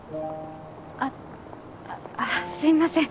あっあっすいません。